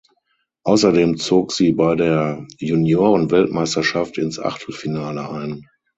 Außerdem zog sie bei der Juniorenweltmeisterschaft ins Achtelfinale ein.